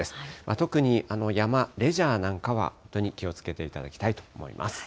特に山、レジャーなんかは本当に気をつけていただきたいと思います。